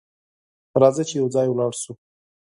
راځه چې یو ځای ولاړ سو!